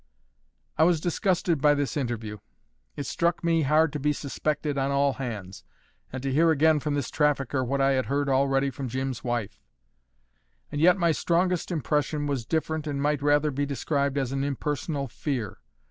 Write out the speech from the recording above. I was disgusted by this interview; it struck me hard to be suspected on all hands, and to hear again from this trafficker what I had heard already from Jim's wife; and yet my strongest impression was different and might rather be described as an impersonal fear.